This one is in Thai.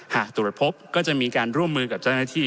หากตรวจพบก็จะมีการร่วมมือกับเจ้าหน้าที่